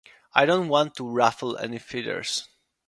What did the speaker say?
I don't want to 'ruffle any feathers'.